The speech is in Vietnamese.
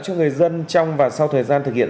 cho người dân trong và sau thời gian thực hiện